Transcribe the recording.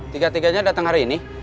tiga tiganya datang hari ini